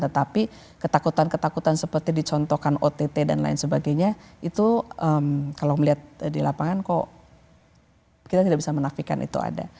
tetapi ketakutan ketakutan seperti dicontohkan ott dan lain sebagainya itu kalau melihat di lapangan kok kita tidak bisa menafikan itu ada